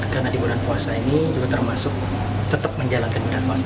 karena di bulan puasa ini juga termasuk tetap menjalankan bulan puasa